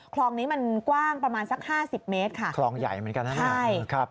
คลองนี้มันกว้างประมาณสัก๕๐เมตรคลองใหญ่เหมือนกันนะครับ